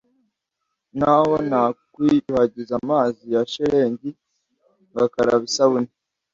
naho nakwiyuhagiza amazi ya shelegi, ngakaraba isabune,